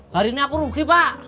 hari ini aku rugi pak